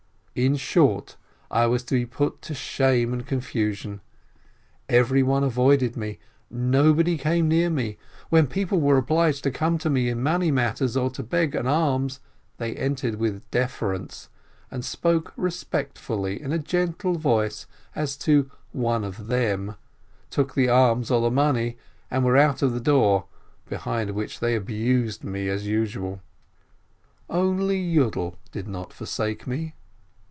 In short I was to be put to shame and confusion. Everyone avoided me, nobody came near me. When people were obliged to come to me in money matters or to beg an alms, they entered with deference, and spoke respectfully, in a gentle voice, as to "one of them," took the alms or the money, and were out of the door, behind which they abused me, as usual. Only Yiidel did not forsake me.